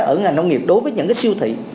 ở ngành nông nghiệp đối với những cái siêu thị